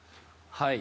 はい。